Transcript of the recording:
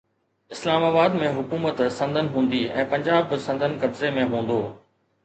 اسلام آباد ۾ حڪومت سندن هوندي ۽ پنجاب به سندن قبضي ۾ هوندو.